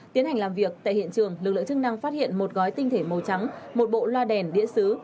tiến hành làm việc tại hiện trường lực lượng chức năng phát hiện một gói tinh thể màu trắng một bộ loa đèn đĩa xứ